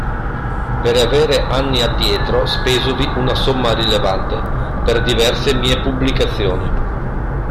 Per avere anni addietro spesovi una somma rilevante per diverse mie pubblicazioni.